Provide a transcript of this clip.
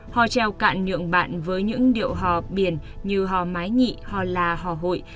hò treo cạn nhượng bạn với những điệu hò biển như hò mái nhị hò la hò hội